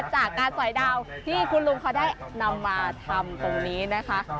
จากการสอยดาวที่คุณลุงเขาได้นำมาทำตรงนี้นะคะ